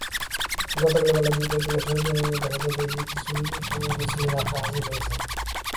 গতকাল বেলা দুইটার দিকে সরেজমিনে দেখা যায়, দেশ-বিদেশের বিপুলসংখ্যক মুসল্লি মাঠে হাজির হয়েছেন।